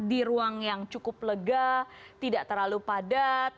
di ruang yang cukup lega tidak terlalu padat